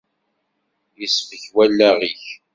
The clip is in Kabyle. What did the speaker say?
Isbek wallaɣ-ik.